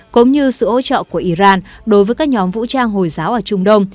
cũng như sự hỗ trợ của iran đối với các nhóm vũ trang hồi giáo ở trung đông